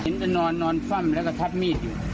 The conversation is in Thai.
เห็นก็นอนนอนฟั่งแล้วก็ทับมีดอยู่